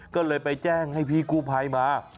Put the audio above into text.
ก็เลยไปแจ้งให้พี่กู้ภัยมา